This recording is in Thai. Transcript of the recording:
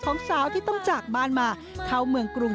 สาวที่ต้องจากบ้านมาเข้าเมืองกรุง